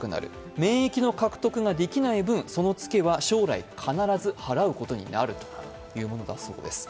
免疫の獲得ができない分、そのツケは将来必ず払うことになるんだそうです。